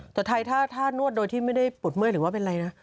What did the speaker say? แต่ไทยถ้านวดโดยที่ไม่ได้ปวดเมื่อยหรือว่าเป็นอะไรนะ